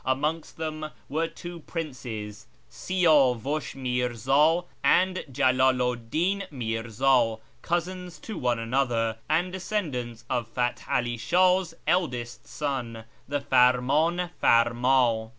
Amongst them were two princes, Siyavush iJMirza and Jalalu 'd Din Mirza, cousins to one another, and descendants of Fath 'Ali Shah's eldest son, the Farmdn farmd.